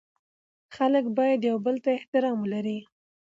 خلګ باید یوبل ته احترام ولري